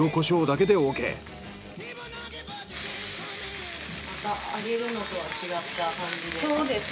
そうですね。